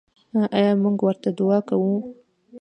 آیا موږ ورته دعا کوو؟